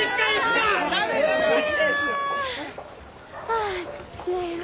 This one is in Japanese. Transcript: あっついわ。